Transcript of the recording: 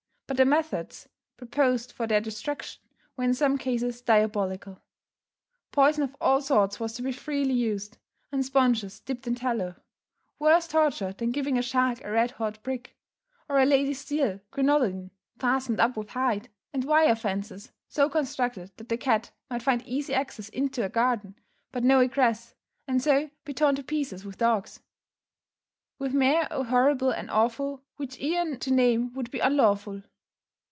But the methods proposed for their destruction were in some cases diabolical. Poison of all sorts was to be freely used, and sponges dipped in tallow worse torture than giving a shark a red hot brick, or a lady's steel crinoline fastened up with hide and wire fences, so constructed that the cat might find easy access into a garden, but no egress, and so be torn to pieces with dogs, "With mair o' horrible and awfu', Which e'en to name would be unlawfu'."